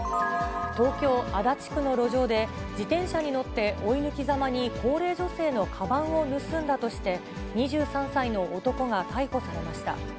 東京・足立区の路上で、自転車に乗って追い抜きざまに高齢女性のかばんを盗んだとして、２３歳の男が逮捕されました。